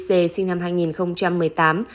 sinh năm hai nghìn một mươi tám